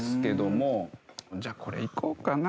じゃあこれいこうかな。